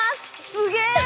すげえ！